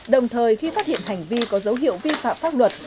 đồng thời khi phát hiện hành vi có dấu hiệu vi phạm pháp luật